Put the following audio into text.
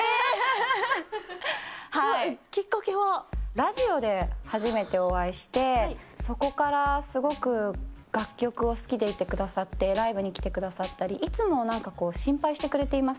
ラジオで初めてお会いして、そこからすごく楽曲を好きでいてくださって、ライブに来てくださったり、いつもなんかこう、心配してくれています。